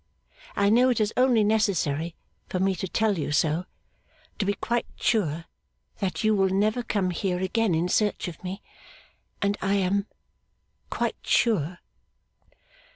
I know it is only necessary for me to tell you so, to be quite sure that you will never come here again in search of me. And I am quite sure!